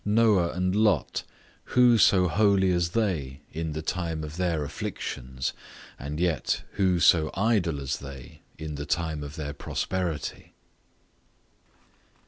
Noah and Lot, who so holy as they in the time of their afflictions! and yet, who so idle as they in the time of their prosperity?